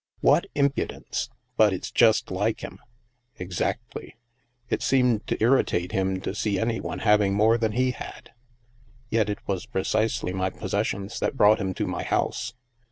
What impudence! But it's just like him." Exactly. It seemed to irritate him to see any one having more than he had. Yet it was precisely my possessions that brought him to my house.